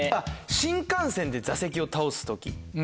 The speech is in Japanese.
新幹線で座席を倒す時。